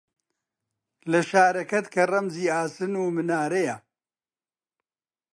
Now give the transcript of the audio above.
لە شارەکەت، کە ڕەمزی ئاسن و منارەیە